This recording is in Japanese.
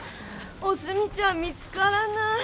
おすみちゃん見つからない。